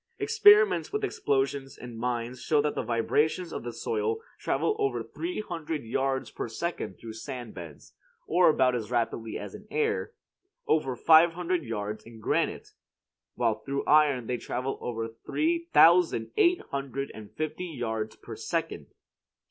Experiments with explosions in mines show that vibrations of the soil travel over three hundred yards per second through sand beds, or about as rapidly as in the air; over five hundred yards in granite; while through iron they travel over three thousand eight hundred and fifty yards per second.